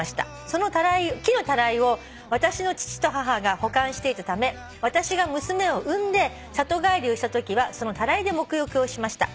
「その木のタライを私の父と母が保管していたため私が娘を産んで里帰りをしたときはそのタライで沐浴をしました」